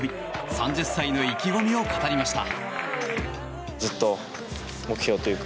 ３０歳の意気込みを語りました。